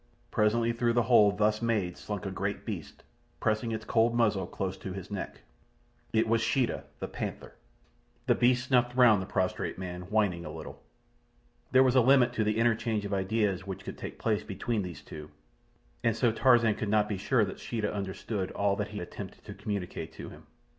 Presently through the hole thus made slunk a great beast, pressing its cold muzzle close to his neck. It was Sheeta, the panther. The beast snuffed round the prostrate man, whining a little. There was a limit to the interchange of ideas which could take place between these two, and so Tarzan could not be sure that Sheeta understood all that he attempted to communicate to him.